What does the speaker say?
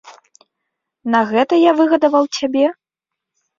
На гэта я выгадаваў цябе?